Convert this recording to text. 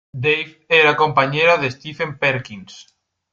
Dave era compañero de Stephen Perkins.